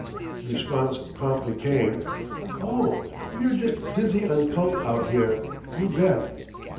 The response promptly came: "Oh, we are just dizzy on cult out here, you bet."